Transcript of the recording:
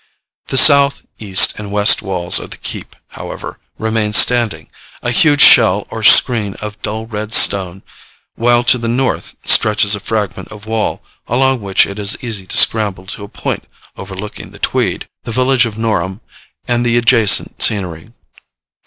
The south, east, and west walls of the keep, however, remain standing, a huge shell or screen of dull red stone, while to the north stretches a fragment of wall, along which it is easy to scramble to a point overlooking the Tweed, the village of Norham, and the adjacent scenery.